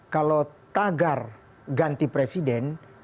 kalau tagar ganti presiden